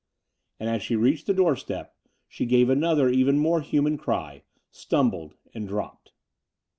And, as she reached the door step, she gave another even more human cry, stumbled, and dropped.